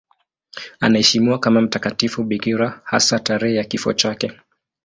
Anaheshimiwa kama mtakatifu bikira, hasa tarehe ya kifo chake.